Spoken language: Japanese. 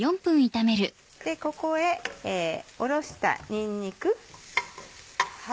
ここへおろしたにんにく。